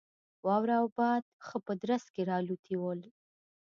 واوره او باد ښه په درز کې را الوتي ول.